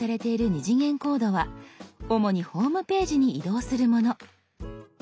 ２次元コードは主にホームページに移動するもの。